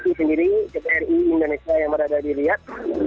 ada kebawahan dari kpi sendiri kpi indonesia yang merada dilihat